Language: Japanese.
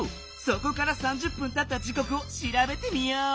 そこから３０分たった時こくをしらべてみよう。